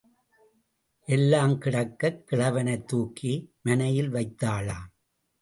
எல்லாம் கிடக்கக் கிழவனைத் தூக்கி மணையில் வைத்தாளாம்.